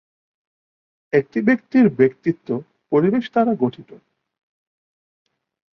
একটি ব্যক্তির ব্যক্তিত্ব পরিবেশ দ্বারা গঠিত।